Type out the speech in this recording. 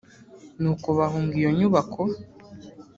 nuko bahunga iyo nyubako